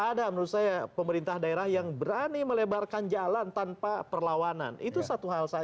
ada menurut saya pemerintah daerah yang berani melebarkan jalan tanpa perlawanan itu satu hal saja